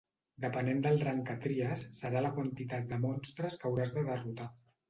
Depenent del rang que tries serà la quantitat de monstres que hauràs de derrotar.